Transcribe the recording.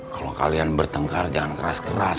kalau kalian bertengkar jangan keras keras